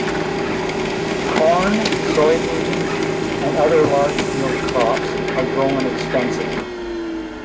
Corn, soybeans, and other large-field crops are grown extensively.